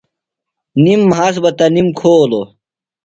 نِم مھاس بہ تنِم کھولوۡ۔